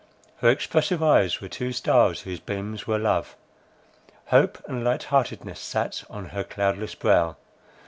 Her expressive eyes were two stars whose beams were love; hope and light heartedness sat on her cloudless brow.